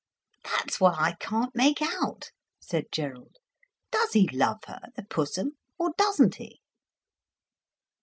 "That's what I can't make out," said Gerald. "Does he love her, the Pussum, or doesn't he?"